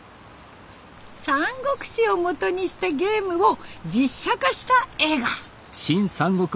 「三国志」をもとにしたゲームを実写化した映画。